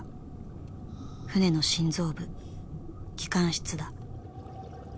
船の心臓部機関室だ。